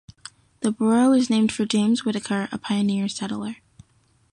The borough is named for James Whitaker, a pioneer settler.